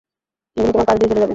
এগুলো তোমার পাশ দিয়ে চলে যাবে।